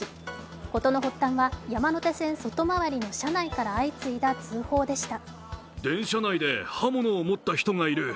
ことの発端は、山手線外回りの車内から相次いだ通報でした。